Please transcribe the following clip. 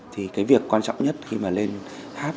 thì cái việc quan trọng nhất khi mà lên hát